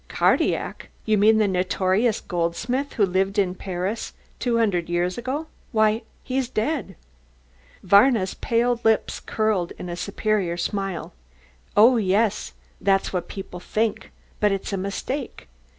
"Cardillac? You mean the notorious goldsmith who lived in Paris 200 years ago? Why, he's dead." Varna's pale lips curled in a superior smile. "Oh, yes that's what people think, but it's a mistake.